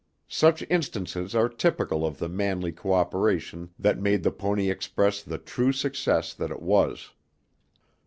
Such instances are typical of the manly cooperation that made the Pony Express the true success that it was.